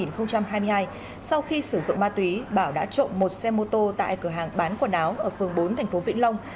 năm hai nghìn hai mươi hai sau khi sử dụng ma túy bảo đã trộm một xe mô tô tại cửa hàng bán quần áo ở phường bốn thành phố vĩnh long